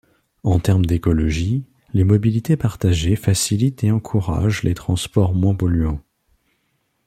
En termes d'écologie, les mobilités partagées facilitent et encouragent les transports moins polluants.